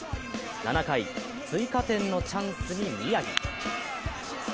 ７回、追加点のチャンスに宮城。